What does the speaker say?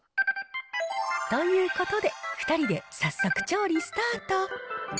ということで、２人で早速、調理スタート。